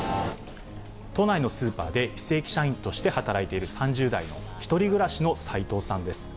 都内のスーパーで非正規社員として働いている３０代の１人暮らしのサイトウさんです。